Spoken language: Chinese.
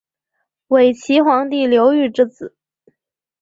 伪齐皇帝刘豫之子。